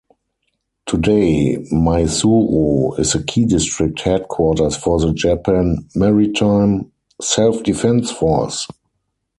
Today, Maizuru is a key district headquarters for the Japan Maritime Self-Defense Force.